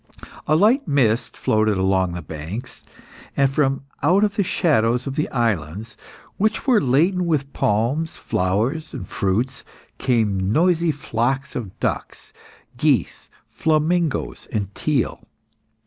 A light mist floated along the banks, and from out the shadow of the islands, which were laden with palms, flowers, and fruits, came noisy flocks of ducks, geese, flamingoes, and teal.